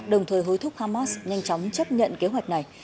đồng thời hối thúc hamas nhanh chóng chấp nhận kế hoạch này